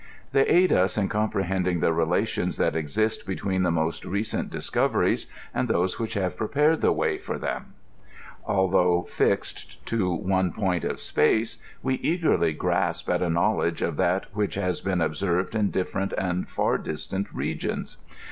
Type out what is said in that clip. They aid us in jiMmpre hending the relations that exist between ihe most recent dis coveries and those which have prepared the way ^Tc^ them. Although fixed to one point of space, we eagerly grasp at a knowledge of that which has been observed in'difierent and far distant regions.